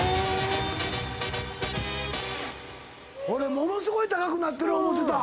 ものすごい高くなってる思てた。